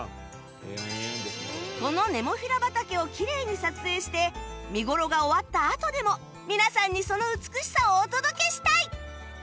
このネモフィラ畑をきれいに撮影して見頃が終わったあとでも皆さんにその美しさをお届けしたい！